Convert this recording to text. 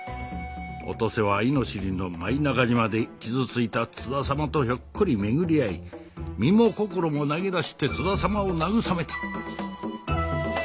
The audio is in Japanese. お登勢は猪尻の舞中島で傷ついた津田様とひょっこり巡り会い身も心も投げ出して津田様を慰めた。